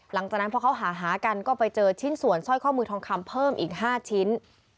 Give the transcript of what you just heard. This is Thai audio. หลังจากนั้นพอเขาหากันก็ไปเจอชิ้นส่วนสร้อยข้อมือทองคำเพิ่มอีก๕ชิ้น